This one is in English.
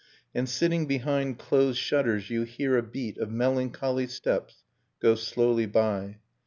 And sitting behind closed shutters you hear a beat Of melancholy steps go slowly by.